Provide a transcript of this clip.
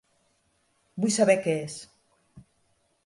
Vull saber què és.